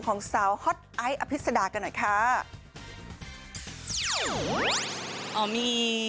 ของเป็นสาวฮอทไอซ์อพิสดากันหน่อย